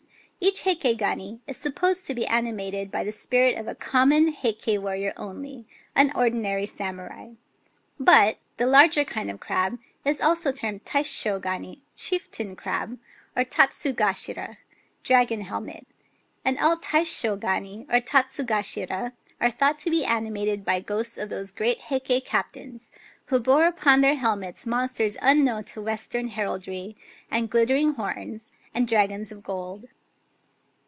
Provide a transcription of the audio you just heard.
Each Heike gani is supposed to be animated by the spirit of a com mon Heike warrior only, — an ordinary samurai. But the larger kind of crab is also termed Taisho gani (" Chieftain crab "), orJTatsugashira (" Dragon helmet "); and all Taisho gani or Tatsugashira are thought to be animated by ghosts of those great Heike captains who bore upon their helmets monsters unknown to Western heraldry, and glitter ing horns, and dragons of gold.